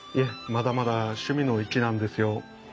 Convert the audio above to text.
まだまだ趣味の域なんですよ。